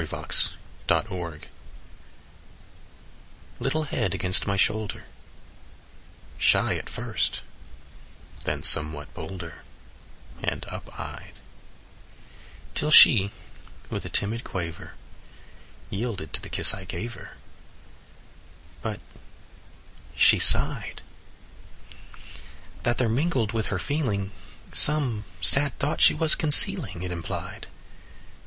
THE SIGH LITTLE head against my shoulder, Shy at first, then somewhat bolder, And up eyed; Till she, with a timid quaver, Yielded to the kiss I gave her; But, she sighed. That there mingled with her feeling Some sad thought she was concealing It implied.